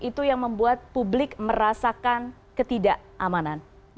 itu yang membuat publik merasakan ketidakamanan